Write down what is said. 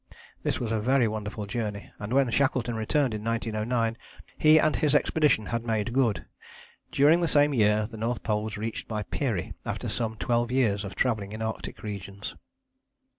This was a very wonderful journey, and when Shackleton returned in 1909 he and his expedition had made good. During the same year the North Pole was reached by Peary after some twelve years of travelling in Arctic regions.